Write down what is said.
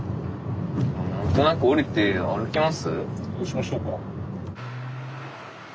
そうしましょうか。